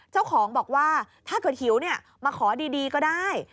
เจ้าของบอกว่าถ้าเกิดหิวมาขอดีก็ได้